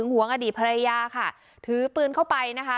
หวงอดีตภรรยาค่ะถือปืนเข้าไปนะคะ